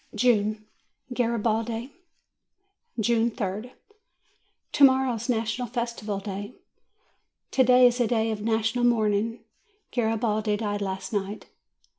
JUNE GARIBALDI June 3d. To morrow is the National Festival Day. TO DAY is a day of national mourning. Garibaldi died last night.